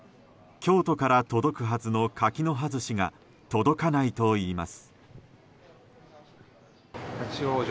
京都から届くはずの柿の葉寿司が届かないといいます。